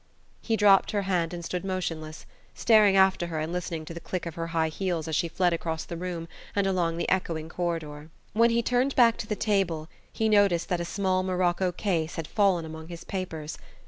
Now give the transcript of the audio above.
He dropped her hand and stood motionless, staring after her and listening to the click of her high heels as she fled across the room and along the echoing corridor. When he turned back to the table he noticed that a small morocco case had fallen among his papers.